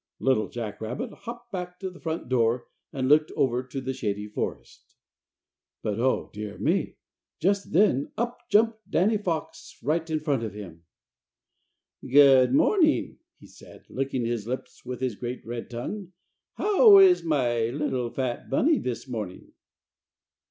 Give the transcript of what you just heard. Little Jack Rabbit hopped back to the front door and looked over to the Shady Forest. But, oh, dear me! Just then up jumped Danny Fox right in front of him. "Good morning," he said, licking his lips with his great red tongue. "How is my little fat bunny this morning?"